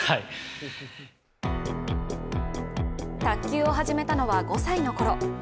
卓球を始めたのは５歳のころ